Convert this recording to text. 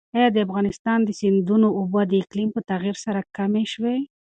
ایا د افغانستان د سیندونو اوبه د اقلیم په تغیر سره کمې شوي؟